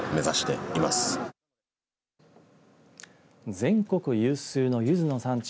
全国有数のゆずの産地